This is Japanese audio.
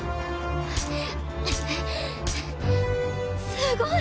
すごい！